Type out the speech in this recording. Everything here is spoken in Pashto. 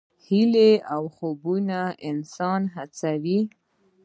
هیلې او خوبونه انسان هڅوي.